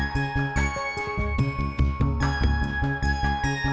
kentung sih kamu juga jangan beli